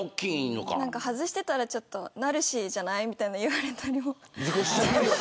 外してたらちょっとナルシーじゃないみたいな言われたりも。